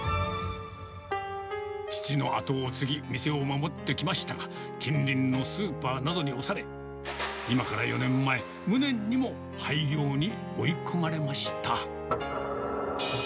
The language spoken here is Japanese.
父の後を継ぎ、店を守ってきましたが、近隣のスーパーなどに押され、今から４年前、無念にも廃業に追い込まれました。